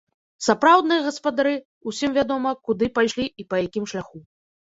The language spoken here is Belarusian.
Сапраўдныя гаспадары, усім вядома, куды пайшлі і па якім шляху.